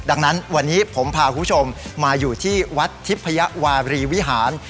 ดังนั้นวันนี้ผมพาคุณผู้ชมมาอยู่ที่วัดทิพยวารีวิหาร